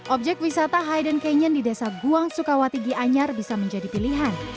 objek wisata hayden canyon di desa buang sukawati giyanyar bisa menjadi pilihan